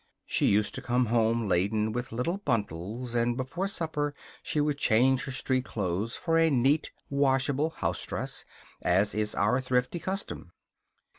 She used to come home laden with little bundles; and before supper she would change her street clothes for a neat, washable housedress, as is our thrifty custom.